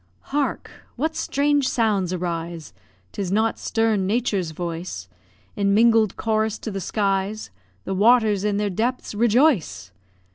Hark! what strange sounds arise 'Tis not stern Nature's voice In mingled chorus to the skies! The waters in their depths rejoice.